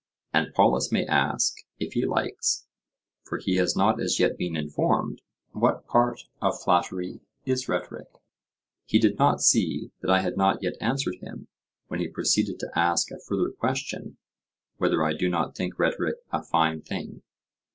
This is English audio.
And Polus may ask, if he likes, for he has not as yet been informed, what part of flattery is rhetoric: he did not see that I had not yet answered him when he proceeded to ask a further question: Whether I do not think rhetoric a fine thing?